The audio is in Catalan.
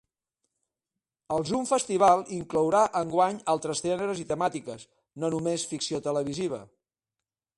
El Zoom Festival inclourà enguany altres gèneres i temàtiques, no només ficció televisiva.